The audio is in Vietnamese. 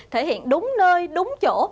thể hiện đúng nơi đúng chỗ